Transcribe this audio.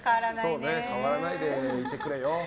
変わらないでいてくれよ。